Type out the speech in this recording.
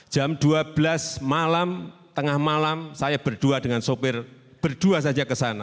jam dua belas malam tengah malam saya berdua dengan sopir berdua saja ke sana